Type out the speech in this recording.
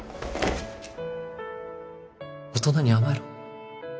大人に甘えろ